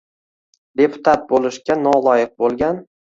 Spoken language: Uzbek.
deputat bo‘lishga noloyiq bo‘lgan